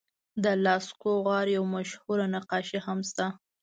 د لاسکو غار یوه مشهور نقاشي هم شته.